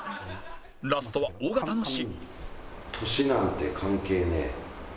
ラストは尾形の詞